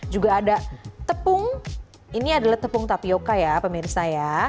juga ada tepung ini adalah tepung tapioca ya pemirsa ya